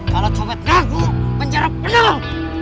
kalau copet ngaku penjara penuh